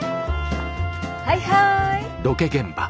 はいはい。